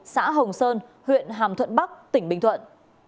xã hồng sơn huyện hàm thuận bắc tỉnh bình thuận